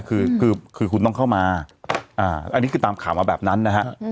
คือคือคุณต้องเข้ามาอันนี้คือตามข่าวมาแบบนั้นนะฮะ